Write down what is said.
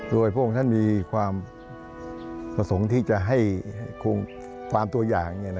โดยพระองค์ท่านมีความประสงค์ที่จะให้ความตัวอย่าง